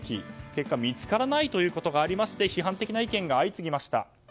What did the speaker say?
結果、見つからないということがありまして批判的な意見が相次ぎました。